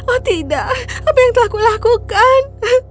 oh tidak apa yang telah kulakukan